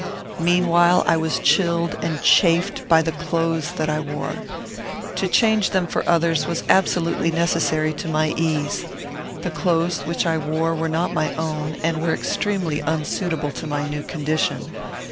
Meanwhile I was chilled and chafed by the clothes that I wore. To change them for others was absolutely necessary to my ease. The clothes which I wore were not my own, and were extremely unsuitable to my new condition.